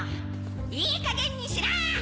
いいかげんにしろ！